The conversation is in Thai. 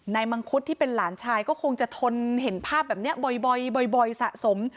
มังคุดที่เป็นหลานชายก็คงจะทนเห็นภาพแบบนี้บ่อยสะสม